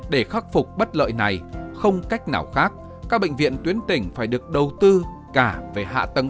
để khắc phục bất lợi này không cách nào khác các bệnh viện tuyến tỉnh phải được đầu tư cả về hạ tầng